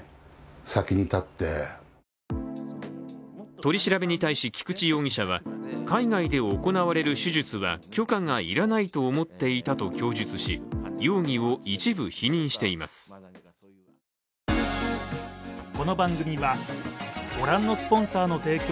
取り調べに対し菊池容疑者は海外で行われる手術は許可が要らないと思っていたと供述し、ここからは「ｎｅｗｓｔｏｒｉｅｓ」です。